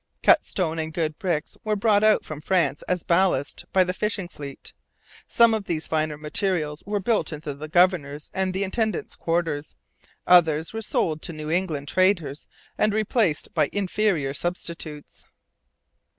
Cut stone and good bricks were brought out from France as ballast by the fishing fleet. Some of these finer materials were built into the governor's and the intendant's quarters. Others were sold to New England traders and replaced by inferior substitutes.